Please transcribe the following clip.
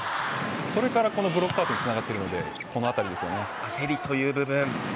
それからこのブロックアウトにつながっているので焦りという部分。